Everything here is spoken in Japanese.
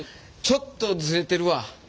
ちょっとズレてるわ